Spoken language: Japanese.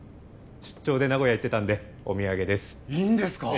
出張で名古屋行ってたんでお土産ですいいんですか？